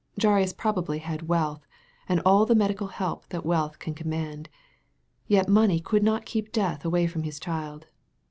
Jairus probably had wealth, and all the medical help that wealth can command ; yet money could not keep death away from his child.